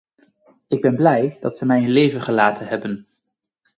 Ik ben blij, dat zij mij in leven gelaten hebben.